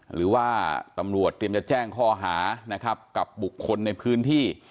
หรือว่าตำรวจเตรียมจะแจ้งข้อหานะครับกับบุคคลในพื้นที่